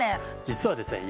実はですね